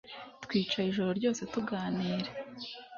Twicaye ijoro ryose tuganira